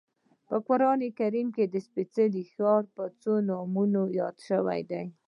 په قران کریم کې دا سپېڅلی ښار په څو نومونو یاد شوی دی.